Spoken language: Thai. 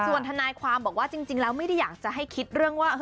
ส่วนทนายความบอกว่าจริงแล้วไม่ได้อยากจะให้คิดเรื่องว่า